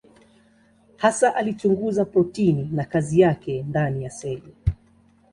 Hasa alichunguza protini na kazi yake ndani ya seli.